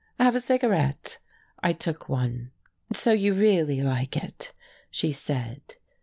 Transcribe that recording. "Have a cigarette!" I took one. "So you really like it," she said.